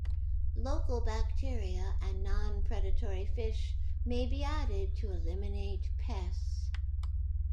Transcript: Local bacteria and non-predatory fish may be added to eliminate pests.